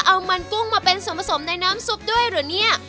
เอามันกุ้งมาเป็นส่วนผสมในน้ำซุปด้วยเหรอเนี่ย